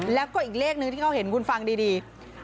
แล้วก็อีกเลขนึงที่เขาเห็นคุณฟังดี